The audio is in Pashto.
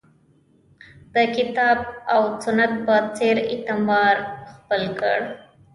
د کتاب او سنت په څېر اعتبار خپل کړ